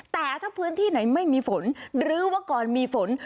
แต่ถ้าพื้นที่ไหนไม่มีฝนหรือว่าก่อนมีฝน